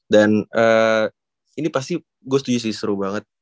dan ini pasti gue setuju sih seru banget